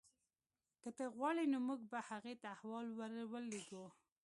که ته غواړې نو موږ به هغې ته احوال ورلیږو